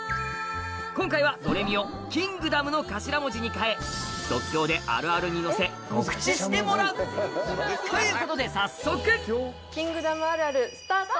今回はドレミを『キングダム』の頭文字に替え即興であるあるに乗せ告知してもらうということで早速スタート！